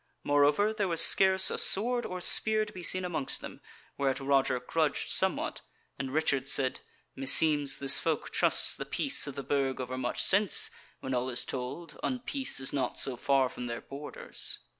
Moreover, there was scarce a sword or spear to be seen amongst them, whereat Roger grudged somewhat, and Richard said: "Meseems this folk trusts the peace of the Burg overmuch since, when all is told, unpeace is not so far from their borders."